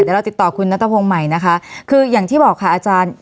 เดี๋ยวเราติดต่อคุณนัทพงศ์ใหม่นะคะคืออย่างที่บอกค่ะอาจารย์